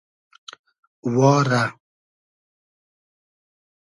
وا رۂ